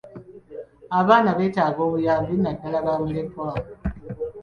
Abaana beetaaga obuyambi naddaala bamulekwa.